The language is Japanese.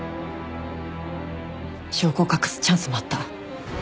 証拠を隠すチャンスもあった。